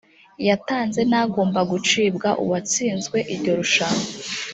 yatanze n agomba gucibwa uwatsinzwe iryo rushanwa